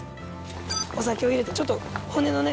お酒を入れてちょっと骨のね